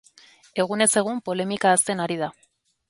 Egunez egun polemika hazten ari da.